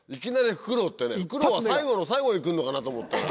フクロウは最後の最後に来んのかなと思ったら。